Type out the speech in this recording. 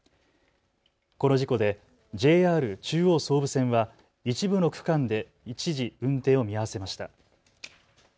この事故でＪＲ中央・総武線は一部の区間で一時、運転を見合わせました。